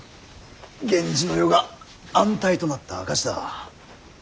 源氏の世が安泰となった証しだ。